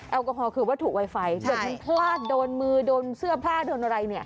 แอลกอฮอลคือวัตถุไวไฟเกิดมันพลาดโดนมือโดนเสื้อผ้าโดนอะไร